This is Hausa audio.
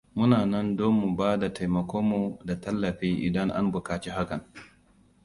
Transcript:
Muna nan don mu bada taimakon mu da tallafi idan an bukaci hakan.